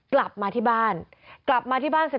กลับมาที่บ้าน